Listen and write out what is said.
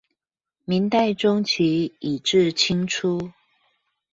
明代中期以至清初